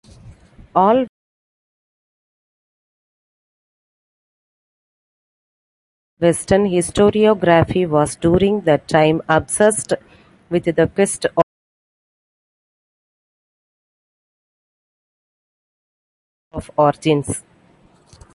All Western historiography was during that time obsessed with the quest of "origins".